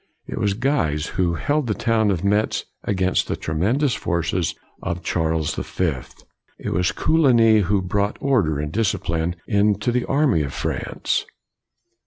It was Guise who held the town of Metz against the tremendous forces of Charles the Fifth. It was Co ligny who brought order and discipline into the army of France.